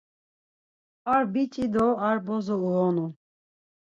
Ar biç̌i do ar bozo uyonun.